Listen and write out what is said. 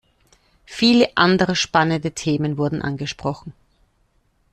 Viele andere spannende Themen wurden angesprochen.